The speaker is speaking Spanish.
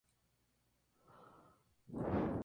Son plantas perennes cespitosas.